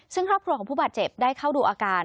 ซึ่งครอบครัวของผู้บาดเจ็บได้เข้าดูอาการ